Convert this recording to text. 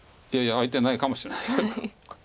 いやいや空いてないかもしれない。